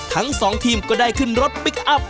ทั้งสองทีมก็ได้ขึ้นรถพลิกอัพ